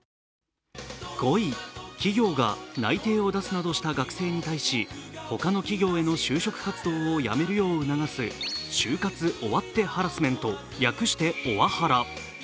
５位、企業が内定を出すなどした学生に対し他の企業への就職活動をやめるよう促す就活終わってハラスメント、略してオワハラ。